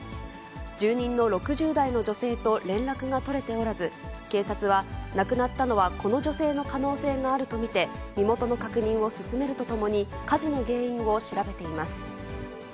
住人の６０代の女性と連絡が取れておらず、警察は亡くなったのはこの女性の可能性があると見て、身元の確認を進めるとともに、火事の原因を調べています。